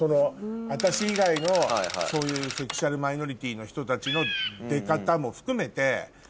私以外のそういうセクシャルマイノリティーの人たちの出方も含めて。